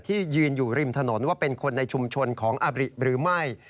ยืนอยู่ริมถนนว่าเป็นคนในชุมชนของอบริหรือไม่